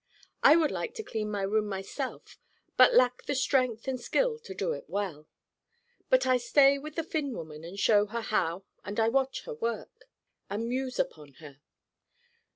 I would like to clean my room myself but lack the strength and skill to do it well. But I stay with the Finn woman and show her how and I watch her work and muse upon her.